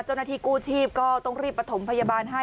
เจ้าหน้าที่กู้ชีพก็ต้องรีบประถมพยาบาลให้